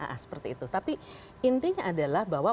nah seperti itu tapi intinya adalah bahwa